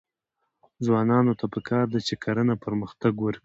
ځوانانو ته پکار ده چې، کرنه پرمختګ ورکړي.